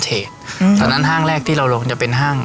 ซึ่งทั้งนั้นห้างแรกที่เราลงจะเป็นห้าง